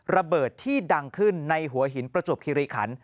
ระเบิดที่ดังขึ้นในหัวหินประจวบคิริขัน